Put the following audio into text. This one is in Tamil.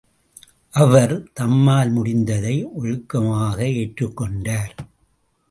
அவர் தம்மால் முடிந்ததை ஒழுக்கமாக ஏற்றுக் கொண்டார்.